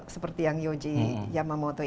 seperti yang yohji yamamoto ini